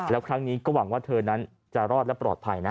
แล้วครั้งนี้ก็หวังว่าเธอนั้นจะรอดและปลอดภัยนะ